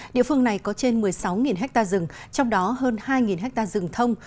địa phương này có trên một mươi sáu ha rừng trong đó hơn hai ha rừng thông